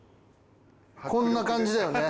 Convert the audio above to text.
こんな感じだよね。